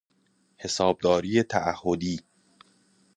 حسابداری تعهدی